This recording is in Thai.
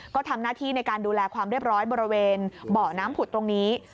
ก็ทำหน้าที่ในการดูแลความเรียบร้อยบริเวณเบาะน้ำผุดตรงนี้